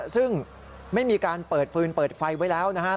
ซึ่งไม่มีการเปิดฟืนเปิดไฟไว้แล้วนะครับ